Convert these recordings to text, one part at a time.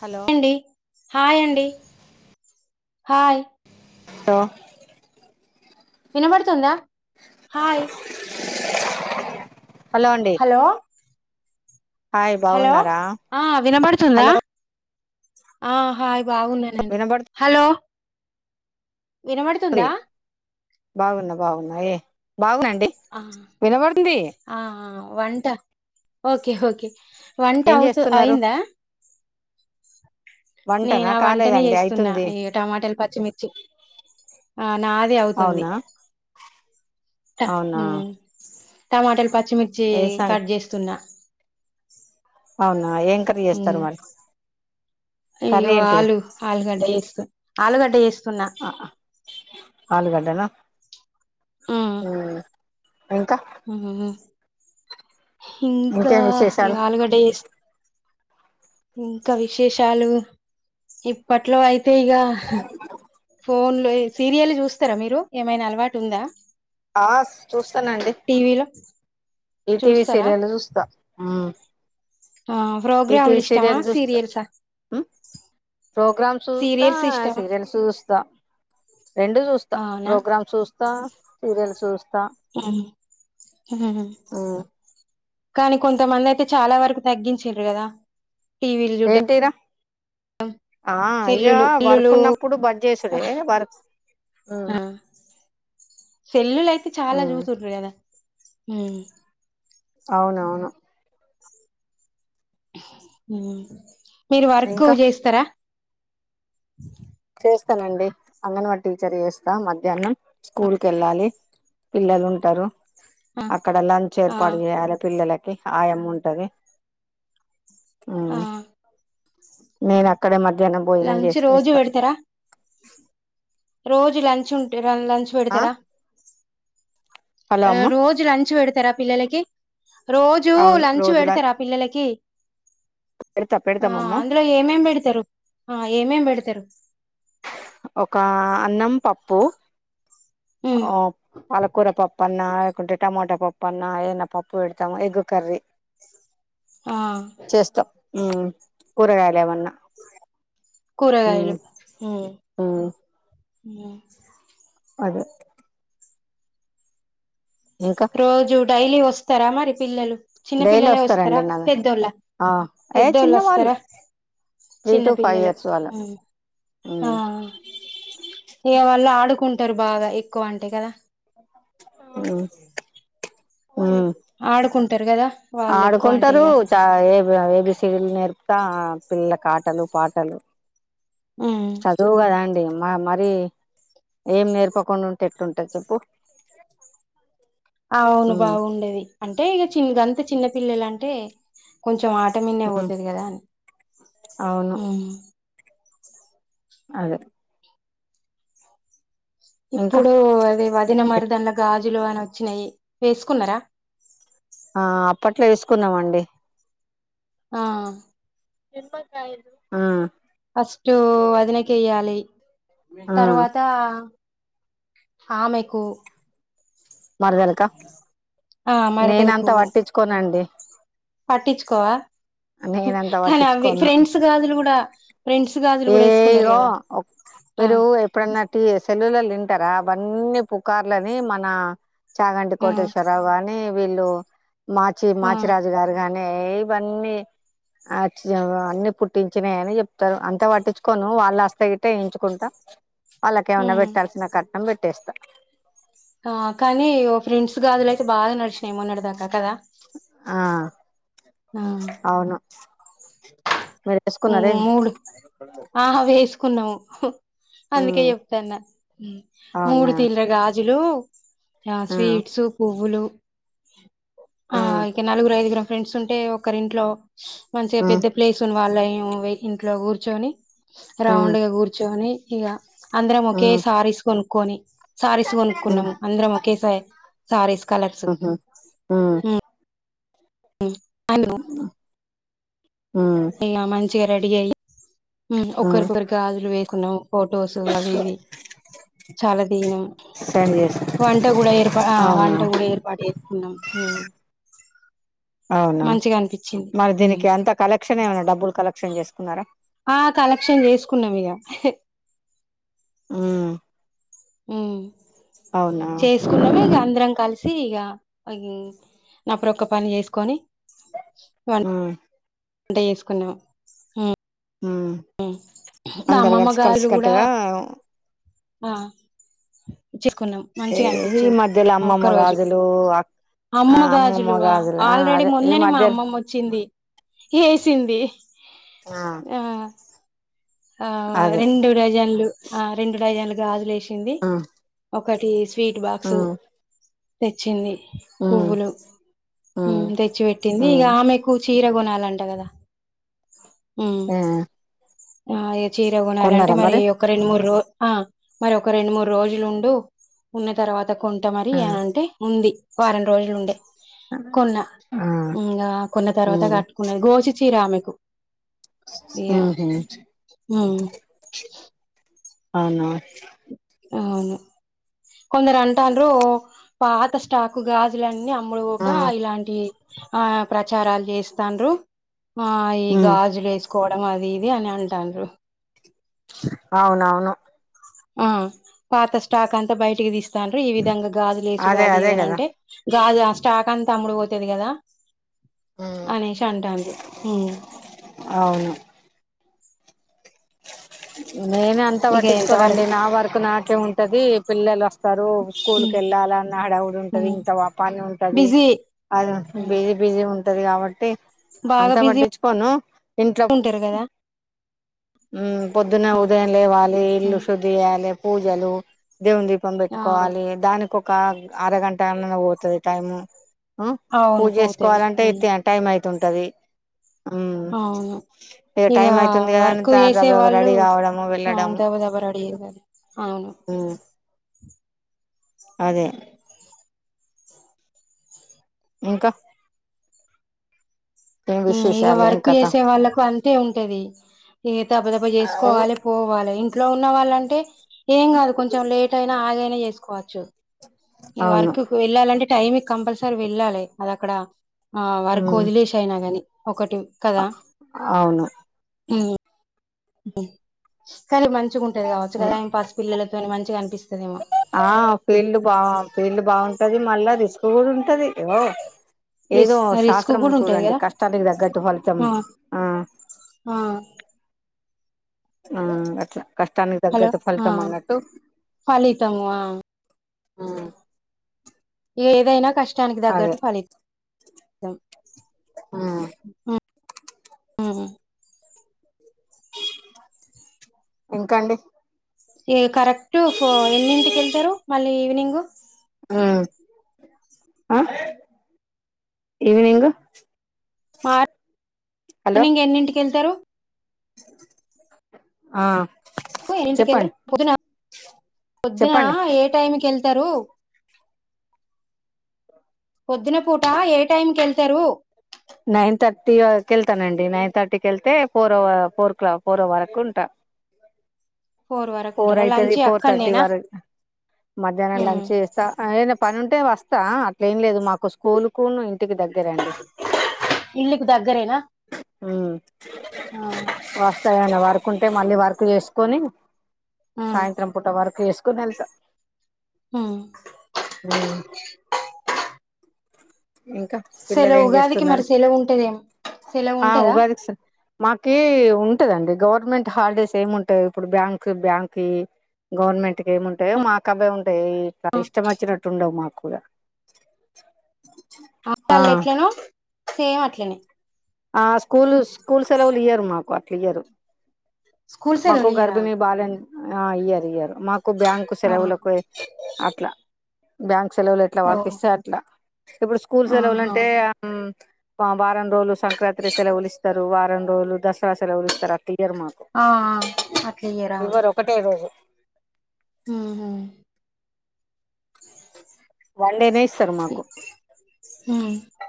Hello ఏండి hi అండి hi లో వినబడుతుందా హాయ్ హలో అండి హాయ్ హలో బాగున్నారా ఆ వినబడుతుందా హలో ఆ హాయ్ బాగున్నానండి వినబడుతుంది హలో వినబడుతుందా బాగున్నా బాగున్నా ఏ బాగునండి అ వినబడుతుంది ఆ ఆ వంట ఓకే ఓకే వంట ఏం అవుతు చేస్తున్నారు అయిందా నేను వంటనా ఆ వంటనే కాలేదండి ఏస్తున్నా అయితుంది ఈ టమాటాలు పచ్చిమిర్చి ఆ నాది అవుతుంది అవునా ట అవునా ఉమ్ టమాటరల్ ప పచ్చిమిర్చి ఏ సంగ కట్ జేస్తున్నా అవునా ఏం కర్రీ ఉమ్ చేస్తారు మరి కర్రీ అయ్యో ఏంటిది ఆలు ఆలుగడ్డ యేసు ఆలుగడ్డ యేస్తున్న ఆలుగడ్డనా ఊమ్ ఇంక హమ్ ఇంకా ఇంకేం ఇ విశేషాలు అలగడ్డ చెస్ ఇంకా విశేషాలు ఇప్పట్లో అయి తే ఇగా ఫోన్ ఇ సీరియల్ చూస్తారా మీరు ఏమైనా అలవాటు ఉందా ఆ చూస్తానండి టీవీలో ఈ టీవీ చూస్తారా సీరియల్ చూస్త ఉమ్ ఆ ప్రోగ్రామ్లు ఇష్టమా చూస్తా సీరియల్సా ప్రోగ్రామ్స్ చూస్త సీరియల్స్ ఇష్టమా సీరియల్స్ చూస్త రెండు చూస్త అవునా ప్రోగ్రామ్ చూస్త సీరియల్ చూస్త హమ్ హమ్ ఉమ్ కానీ కొంతమంది అయితే చాలా వరకు తగ్గించారు కదా టీవిల్ చెడ్డ ఏంటిరా ఆ అయ్యా వర్క్ సెల్లులు ఉన్నప్పుడు బడ్ చేసుడే వర్క్ ఉమ్ ఆ సెల్లులు అయితే చాలా ఉమ్ చూసింటారు కదా హమ్ అవునవును ఉమ్ మీరు వర్క్ ఇంకా చేస్తర చేస్తానండి అంగన్వాడి టీచర్ చేస్తా మధ్యాహ్నం స్కూల్ క వెళ్ళాలి పిల్లలు ఉంటారు ఆ అక్కడ లంచ్ ఆ ఏర్పాటు చేయాలి పిల్లల ఆయమ్మ ఉంటది ఆ హమ్ నే నా అక్కడే మధ్యాహ్నం భోజనం లంచ్ చేస్తే రోజు ఇస్తా పెడతారా రోజు లంచ్ ఉంటే లంచ్ ఆ పెడతార హలో అమ్మ రోజు లంచ్ పెడతారా పిల్లలకి రోజు అవును లంచ్ రోజులా పెడతార. ఆ పిల్లలకి పెడతా ఆ పెడతామమ్మ అందులో ఏమేం పెడతారు ఆ ఏమేం పెడతారు. ఒక అన్నం పప్పు ఉమ్ ఆఓ పలకూర పాప్పన్న కుంటే టమోటా పప్పు అన్న ఏదన్నా పప్పు పెడతాము ఎగ్గు కర్రీ ఆ ఉ కూరగాయాల ఏమన్న కూరగాయలు హ్ హ్ హ్ అదే ఇంకా రోజు డైలీ వోస్ స్తారా మరి పిల్లలు చిన్న డైలీ పిల్లలే వోస్తారా వస్తారండి నా పెద్దోళ్ళ ఆ ఏ పెద్దోళ్ళు చిన్న వాళ్ళు ఆస్తారా త్రీ చిన్న టు ఫైవ్ పిల్లలు ఇయర్స్ వాళ్ళు ఉమ్ ఇక వాళ్ళు ఆడుకుంట టరు బాగా ఎక్కువ అంటే గాదా ఉమ్ ఉమ్ ఆడుకుం టారు గాదా ఆడుకుంటారు. చ A B A B C D లు నేర్ త్త పిల్లల కు ఆటలు పాటలు ఉమ్ చదువు గదా అండి ఆ మరి ఏం నేర్పకుండా ఉంటే ఎట్లుంటంది చెప్పు అవును ఉమ్ బాగుండది అంటే ఇగా చిన్ గంత చిన్న పిల్లలు అంటే కొంచెం ఆ ట్టమిన్నే ఉమ్ పోతది గాదా అని అవును అదే ఇంకా ఇప్పుడు అదే వా దిన మరదలు గాజులు అని వోచ్చినాయి. వేసుకున్నారా ఆ అప్పట్లో వేసుకున్నామండి ఆ హ్ ఫస్ట్ వదినకేయ్యాలి ఆ తర్వాత ఆమెకు మరదలకా ఆ మరదలకు నేనంతా పట్టించుకోనండి పట్టించుకోవా నేనంత కానీ అవి పట్టించుకోను ఫ్రెండ్స్ గాజులు కూడా ఫ్రెండ్స్ గాజులు ఏ కూడా వేసుకున్నారు ఇగో కదా ఆ తి సెల్లుల్లో ఇంటర అవన్నీ పుకార్లని మన చాగంటి ఆ కోటేశ్వరవుగాని వీళ్ళు మాచి ఆ మాచిరాజుగారుగా ఏ ఇవన్నీ అన్ని ఆ చి పుట్టించినాయి అని చెప్తరు అంతా పట్టించుకోను వాళ్ళు వస్తే గిట్ట వేయించుకుంట వాళ్ళకి ఏమైనా ఉమ్ పెట్టాల్సిన కట్నం పెట్టే స్ ఆ కానీ ఓ ఫ్రెండ్స్ కాదు లైక్ బా నడిచినై మోన్నడిదాక కదా ఆ ఆ అవును మీరు వేసుకున్నారే మూడు ఆహ వేసుకున్నాము హు అందుకే చెప్తున్న మూడు అవునా తీర్ల గాజు దులో ఆ స్వీట్స్ పువ్వులు ఆ అయితే నలుగురు ఐదుగురు ఫ్రెండ్స్ ఉంటే ఒకరింట్లో మంచిగా పెద్ద సెండ్ ప్లేస్ ఉన్న వాళ్ళ మేము ఇంట్లో కూర్చొని రౌండ్ గా కూర్చోని ఇగ అందరం ఒకే శారీస్ కొను కొని సారీస్ కొనుకున్నాము అందరం ఒకేసారి సారీస్ కలర్స్ ఊహూ హ్మ్ అను [unintelligible] చిగా రెడీ అయి ఉమ్ ఒక్కరికొకరు గాజులు వే కొను ఫొటోస్ అవి ఇవి చాలా దిగినం చేసి వంట కూడ ఏర్పా అవునా వంట కూడా ఏర్పాటు చేసుకున్నాం అవునా మంచిగా అనిపించింది మరి దీనికి ఎంత కలెక్షన్ ఏమైనా డబ్బులు కలెక్షన్ చేసుకున్నారా ఆ కలెక్షన్ చేసుకున్నాం [unintelligible] హూ మ్ ఉమ్ చేసుకున్నాము ఇగ అన్ దరం కలిసి ఇగ అగి నాప్ రొక్క పని చేసుకొని వన్ ఉమ్, వంట చేసుకున్నాం హు ఉమ్. మ్మ్ అందరు కలిసి అమ్మమ్మగారు కూడ కలిసికట్టుగా ఆ చేసుకున్నాం ఏ, మంచిగా ఈ అనిపించింది మధ్యలో ఆ అమ్మమ్మ ఒక్క రోజు గాజులు అక్- ఆ, అమ్మ అమ్మమ్మ గాజులు ఆ, ఆల్రెడీ అదే ఈ మొన్ననే మా మధ్య అమ్మమ్మ వచ్చింది ఏసింది ఆ ఆ అదే రెండు డజానులు ఆ రెండు డజన్లు గాజ్ లేష్ ఎంది ఆ, ఒక్ ఒకటీజ్ ఫీటు బాక్సు ఉమ్, తెచ్చిందీ ఉమ్, పువ్వులు ఉమ్, మ్ తెచ్చిపెట్టిందీ ఇగ ఉమ్, ఆమెకు చీర గోనాలంట గదా హ్మ్ ఏ, ఆ ఎత్ చీర గోనాలంటే కొన్నారా మరీ మరి ఒక రెండ్ మూడ్ రో ఆ మరి ఒక రెండు మూడ్ రోజులు ఉండు ఉన్న తర్వాతక్ కొంట మరి ఆ, ఆనీ అంటే ఉంది వారం రోజులుండే కొన్నా ఆ, ఇంగ కొన్న తర్వాత ఉమ్, కట్టుకున్నది గోచి చీర ఆమెక్ ఇయా ఉహుం, అవును అవునా అవును కొందరు అంటాండ్రు పాత స్టాకు గాజులన్నీ అమ్ అమ్ముడువోకా ఆ, ఇలాంటీ ఆ ప్ర ప్రచారాలు చేస్తాండ్రు ఆ ఈ ఉమ్ గాజులు లేస్ కోవడం అది ఇది అని అంటాండ్రు అవునవును మ్మ్ పాత స్టాక్ అంత బయటికి తీస్ స్తార్రు ఈ విధంగా గాజు లేసుడు అదే అది అదే కదా ఇదంటే గాజులు ఆ స్టాక్ అంత్ అమ్ముడు పోతాది గదా ఉమ్ అనేషి అంటాంరూ అవును నేనే అంతా ఇక ఎంత వట్టించుకోనండి వరకు నా వరకు నాకే ఉంటది పిల్లలు వస్ స్తారు స్కూల్ కి ఉమ్ వెళ్ళాలన ఆడవు లు ఉంటది ఉమ్ ఇంత వాపాని ఉంటది బిజీ అది ఉమ్ బిజీ బిజీ ఉ ఉంటది కాబట్టి బాగా అంతా బిజీ పట్టించుకోను ఇంట్లో కు ఉంటారు కదా పొద్దున్న ఆ ఉదయం లేవాలి ఇల్లు ఉమ్ శుద్ధి చేయాలి పూజలు దేవుని దీపం ఆ బేట్టుకోవాలి దానికి ఒక అరగంట ఆన్ కుర్ అదే టైమ్ అవును పూజ పోతది చేసుకోవాలంటే ఉమ్ అయితే టైం అయి తుంటది మ్మ్ ఇగా టైమ్ అయితుంది కదా అన్ కు చేసే వాళ్ళు అదే ఇంకా ఏం ఇగా విశేషాలు ఏం వర్క్ కథ చేసే వాళ్ళకు అంత్ తే ఉంటది దబ్బ దబ్బ అవును చేసుకోవాలే పోవాలే ఇట్లో ఉన్న వాళ్ళంటే ఏం కాదు కొంచెం లేట్ అయినా అగైనా చేసుకోవచ్చు ఈ వర్క్ వెళ్ళాలంటే టైమికి కంపల్సరీ వెళ్ళాలి అది అక్కడ వర్కో ఉమ్ ఓదిలేసైన గానీ ఒకటి కదా అవును హు అ కానీ మ మంచిగుంటది కాద టైంపాస్ పిల్లకి మంచిగా ఆనిపిస్త ఆ ఫీల్డ్ బాగు ఫీల్డ్ బాగుంట అది మళ్ళా రిస్క్ కూడా ఉంటది ఓ ఏదో రిస్ రిస్క్ శాస్త్రము కూడా ఉంటది చూడండి కదా కష్టాలకు తగ్గట్టు ఫలితం ఆ ఆ ఆ ఆ అట్లా కష్టానికి హలో తగ్గట్టు ఆ ఫలితం అన్నట్టు ఫలితము ఆ ఏదైనా కష్టం కష్టానికి తగ్గట్టు ఫలితం ఇ ఆ ఆ ఇంకా అండి కరెక్ట్ ఎన్నింటికి వెళ్తారు మళ్ళీ ఈవినింగ్ ఊ ఆ ఈవినింగ్ మార్ హలో మార్నింగ్ ఎన్నింటికి వెళ్తారు, ఆ ఎన్నింటికి చెప్పండి పొద్దున పొద్దునా చెప్పండి ఏ టైం కి వెళ్తా తారు పొద్దున పూట ఏ టైంకి వెళ్తారు నైన్ థర్టీ వెళ్తానండి నైన్ థర్టీకి వెళ్తే ఫోర్ ఓ ఫోర్ క్లాక్ ఫోర్ వరకు ఉంటా, వరకు ఫోర్ ఉంటారా అయితాది లంచ్ ఫోర్ థర్టీ అక్కడనేనా వరకు మధ్యాహ్నం లంచ్ చేస్తా ఏ పని ఉంటే అంటే వస్తా అట్లేం లేదు మాకు స్కూల్ కు ఇన్, ఇంటికి దగ్గరే అండి ఇల్లుకి దగ్గరేనా హు వాస్తగాని వర్క్ ఉంటే మా మళ్ళీ వర్క్ చేసుకొని సాయంత్రం పూట వరకు చేసుకుని వెళ్తా, ఇంకా పిల్లలు సెలవు ఏం ఉగాదికి చేస్తున్నారు మరి సెలవు ఉంటదేమో సెలవు ఆ ఉంటదా ఉగాదికి సార్ మాకి ఉంటదండి గవర్నమెంట్ హాలిడేస్ ఏమింటాయి ఇప్పుడు బ్యాంక్ బ్యాంక్ గవర్నమెంట్ కి ఏమింటాయో మాకు అవే ఉంటాయి ఇట్లా ఇష్టం వచ్చినట్టు ఉండవు మాకు కూడా, ఆ ఆపాలా ఎట్లేను సేమ్ వాట్లేనే ఆ స్కూల్ స్కూల్ సెలవులు ఇయ్యరు మాకు అట్లా ఇ్యరు స్కూల్ మాకు సెలవులు ఇయ్యరా గర్భిని బాల ఇయ ఇ్యరు మాకు బ్యాంకు సెలవులు కూడా అట్లా బ్యాంక్ సెలవులు ఎట్లా ఓ వర్తిస్తాయి అట్లా ఇప్పుడు స్కూల్స్ ఆహా సేలవాలంటే ఉమ్ పా వారం రోజులు సంక్రాంతి సెలవులు ఇస్తారు వారం రోజుల దసరా సేవలు ఊ ఇస్తారు ఇయర్ మాకు అట్లా ఈవరు ఒకటే రోజు హ హ్మ్ వన్ డేనే ఇస్తారు మాకు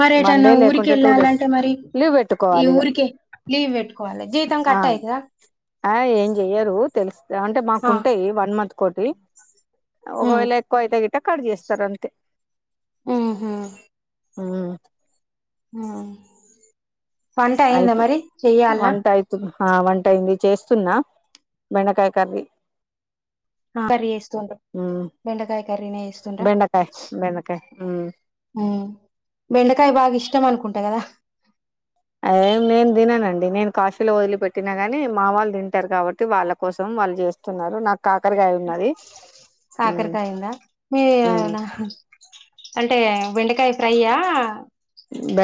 మరి వన్ ఏటన్నా డే ఊరిక లేకుంటే టూ డేస్ వెళ్ళాలంటే మరి లీవ్ ఈ పెట్టుకోవాలి ఇగ ఊరికే లీవ్ పెట్టుకోవాలి జీతం ఆ కట్టయితదా ఆ ఏం చెయ్యరు తెలుసు అంటే మాకు ఆ ఉంటేయి వన్ మంత్ కోటి ఉమ్ ఒకవేళ ఎక్కువ అవుతే ఎక్కడ చేస్తారు అంతే ఉమ్ హ్మ్ ఉమ్ ఆ వంట అయిందా అయితు మరి చెయ్యాలనా వంట అయితు ఆ వంటయింది చేస్తున్నా బెండకాయ కర్రీ ఏం కర్రీ చేస్తుండ్రూ మ్మ్ బెండకాయ కర్రీనే చేస్తుండ్ర బెండకాయ బెండకాయ మ్మ్ ఉమ్ బెండకాయ బాగా ఇష్టం అనుకుంటా కదా అదే నేను తిననండి నేను కాశిలో వదిలిపెట్టినా గాని మా వాళ్ళు తింటారు కాబట్టి వాళ్ళ కోసం వాళ్ళు చేస్తున్నారు నాకు కాకరకాయ ఉన్నది మ్మ్ కాకరకాయ ఉందా మ్మ్ మీరునా అంటే బండకాయ ఫ్రైయా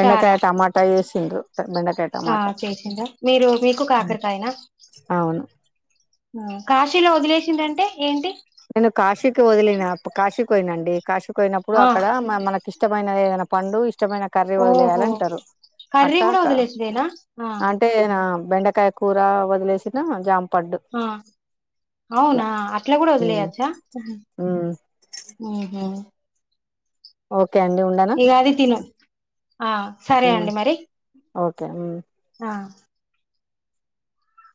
చారా టమాటా ఏ సిండు ఆ చేసిండా మీరు మీకు కాకరకాయెనా అవును కాక మద్యలొ వదిలేసిండు అంటే ఏంటి నేను కాశీకి వదిలినా కాశీకి పోయినండి కాశీకి పోయినప్పుడు ఆ అక్కడ మనకు ఇష్టమైనవి ఏవాన్నా పండు ఇష్టమైన కర్రీ ఓహో వదిలేయాలంటారు కర్రీ కూడా అట్లాక్క వదిలేసుడేనా ఆ అంటే నా బెండకాయ కూర వదిలేసిన జామ్ ఆ అవునా అట్లా కూడా అట్లా కూడా వదిలేయొచ్చ హ్మ్ ఓకే [unintelligible] ఉండనా ఎ అది తిను ఆ సరే ఉమ్, అండి మరి ఓకే వు ఆ